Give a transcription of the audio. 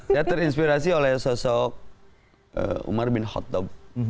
saya terinspirasi oleh sosok umar bin khattab